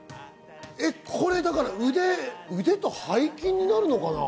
これ腕と背筋になるのかな？